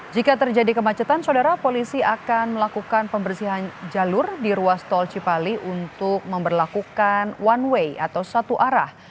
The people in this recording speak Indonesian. jika terjadi kemacetan saudara polisi akan melakukan pembersihan jalur di ruas tol cipali untuk memperlakukan one way atau satu arah